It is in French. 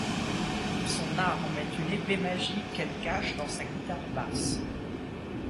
Son arme est une épée magique qu'elle cache dans sa guitare basse.